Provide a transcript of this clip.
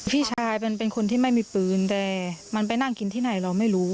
พี่ชายเป็นคนที่ไม่มีปืนแต่มันไปนั่งกินที่ไหนเราไม่รู้